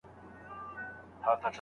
د بدي خبري سل کاله عمر وي.